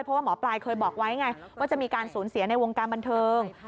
เพราะว่าหมอปลายเคยบอกไว้ไงว่าจะมีการสูญเสียในวงการบันเทิง